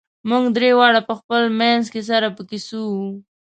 موږ درې واړه په خپل منځ کې سره په کیسو وو.